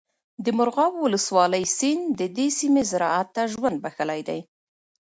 د مرغاب ولسوالۍ سیند د دې سیمې زراعت ته ژوند بخښلی دی.